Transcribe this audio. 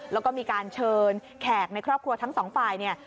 แล้วก็มีการเชิญแขกในครอบครัวทั้งสองฝ่ายเนี่ย